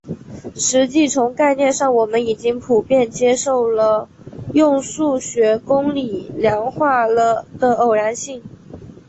实际从概念上我们已经普遍接受了用数学公理量化了的偶然性。